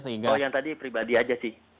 oh yang tadi pribadi saja sih